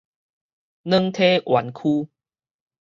軟體園區